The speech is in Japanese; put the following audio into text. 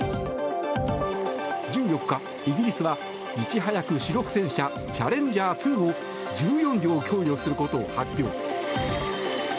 １４日イギリスは、いち早く主力戦車チャレンジャー２を１４両供与することを発表。